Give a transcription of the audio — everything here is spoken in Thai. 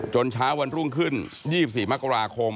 เช้าวันรุ่งขึ้น๒๔มกราคม